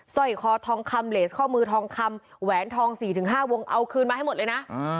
สร้อยคอทองคำเลสข้อมือทองคำแหวนทอง๔๕วงเอาคืนมาให้หมดเลยนะ